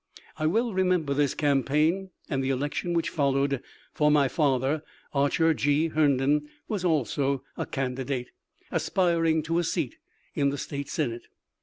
I well remember this campaign and the election which followed, for my father, Archer G. Herndon, was also a candidate, aspiring to a seat in the State Senate.